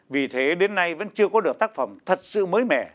vì thế đến nay vẫn chưa có được tác phẩm thật sự mới mẻ